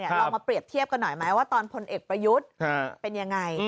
ลองมาเปรียบเทียบกันหน่อยไหมว่าตอนพลเอกประยุทธ์เป็นยังไง